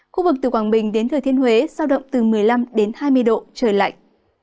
khu vực từ quảng bình đến thừa thiên huế sao động từ một mươi năm đến hai mươi độ trời lạnh